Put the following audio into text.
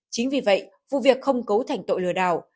chính vì vậy vụ việc không cấu thành tội lừa đảo